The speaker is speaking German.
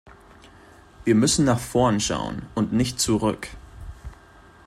Wir müssen nach vorn schauen und nicht zurück.